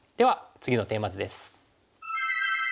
次のテーマ図です。